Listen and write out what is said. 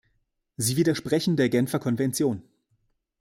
Sie widersprechen der Genfer Konvention.